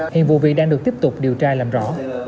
hiện vụ việc đang được tiếp tục điều tra làm rõ